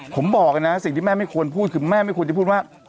ผมบอกนะสิ่งที่แม่ไม่ควรพูดคือแม่ไม่ควรจะพูดว่า